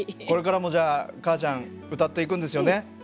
これからもじゃあ「かあちゃん」歌っていくんですよね？